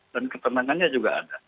dan ketenangannya juga ada